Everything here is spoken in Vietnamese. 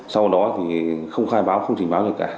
sau đó thì không khai báo không trình báo được cả